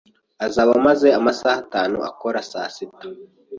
Azaba amaze amasaha atanu akora saa sita.